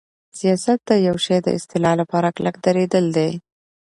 سیاست د یوشی د اصلاح لپاره کلک دریدل دی.